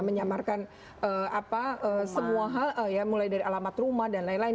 menyamarkan semua hal ya mulai dari alamat rumah dan lain lain